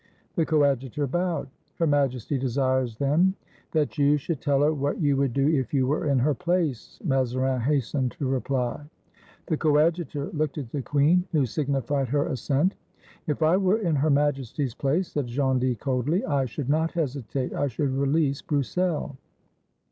The Coadjutor bowed. "Her Majesty desires, then, —" "That you should tell her what you would do if you were in her place," Mazarin hastened to reply. The Coadjutor looked at the queen, who signified her assent. "If I were in Her Majesty's place," said Gondy coldly, "I should not hesitate; I should release Brous sel."